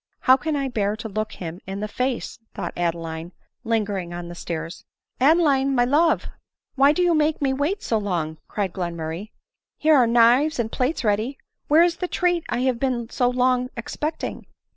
" How can 1 bear to look him in the face !" thought Adeline, lingering on the stairs. " Adeline, my love ! why do you make me wait so long ?" cried Glenmurray. " Here are knives and plates ready ; where is the treat I have been so long expecting?'